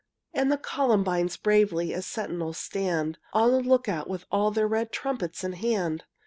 And the columbines bravely As sentinels stand On the look out with all their Red trumpets in hand.